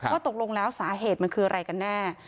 ตกลงแล้วสาเหตุมันคืออะไรกันแน่